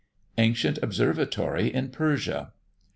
ANCIENT OBSERVATORY IN PERSIA.